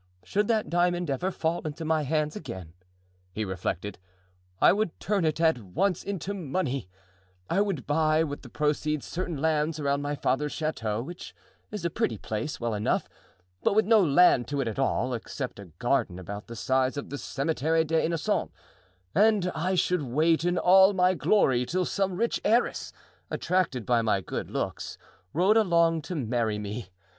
"Should that diamond ever fall into my hands again," he reflected, "I would turn it at once into money; I would buy with the proceeds certain lands around my father's chateau, which is a pretty place, well enough, but with no land to it at all, except a garden about the size of the Cemetery des Innocents; and I should wait in all my glory till some rich heiress, attracted by my good looks, rode along to marry me.